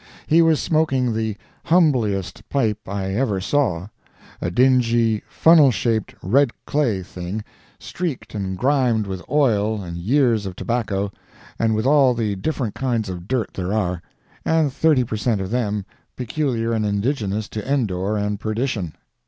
He was smoking the "humbliest" pipe I ever saw—a dingy, funnel shaped, red clay thing, streaked and grimed with oil and years of tobacco, and with all the different kinds of dirt there are, and thirty per cent of them peculiar and indigenous to Endor and perdition.